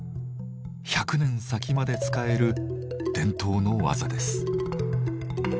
１００年先まで使える伝統の技です。